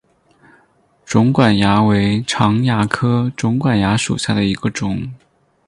肿管蚜为常蚜科肿管蚜属下的一个种。